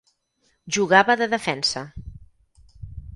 Jugava de defensa.